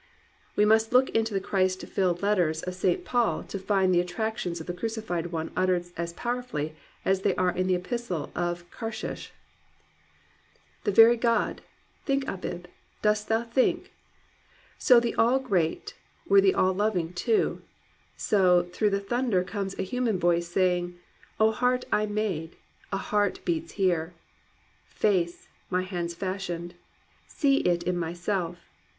'* We must look into the Christ filled letters of St. Paul to find the attractions of the Crucified One uttered as powerfully as they are in the Epistle of Karshish. The very God ! think Abib; dost thou think? So, the AU great, were the All Loving too — So, through the thunder comes a human voice Saying, ' O heart I made, a heart beats here ! Face, my hands fashioned, see it in myself